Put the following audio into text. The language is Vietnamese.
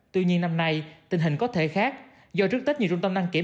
tuy nhiên năm nay tình hình có thể khác do trước tết nhiều trung tâm đăng kiểm